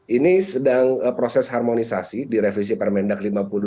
ini sedang proses harmonisasi di revisi permendag lima puluh dua ribu dua puluh